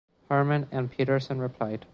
Herman and Peterson replied.